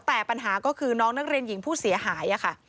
แต่ปัญหาก็คือน้องนักเรียนหญิงผู้เสียหายค่ะ